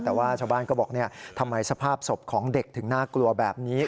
แต่ว่าชาวบ้านก็บอกทำไมสภาพศพของเด็กถึงน่ากลัวแบบนี้